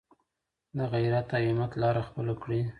د غیرت او همت لاره خپله کړئ.